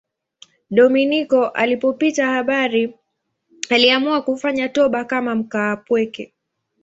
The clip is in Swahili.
Dominiko alipopata habari aliamua kufanya toba kama mkaapweke.